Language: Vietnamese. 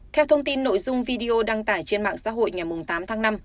theo thông tin nội dung video đăng tải trên mạng xã hội ngày tám tháng năm